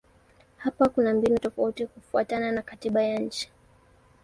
Hapa kuna mbinu tofauti kufuatana na katiba ya nchi.